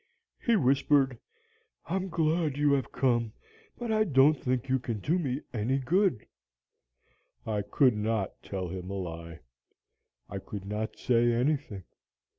He whispered, 'I'm glad you are come, but I don't think you can do me any good.' "I could not tell him a lie. I could not say anything.